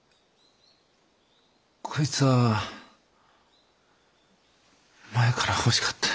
こいつは前から欲しかった。